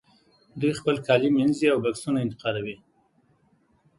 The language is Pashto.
دوی خپل کالي مینځي او بکسونه انتقالوي